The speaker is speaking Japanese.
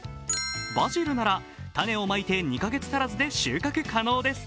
バジルなら種をまいて２カ月足らずで収穫可能です。